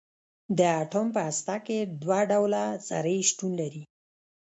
د اټوم په هسته کې دوه ډوله ذرې شتون لري.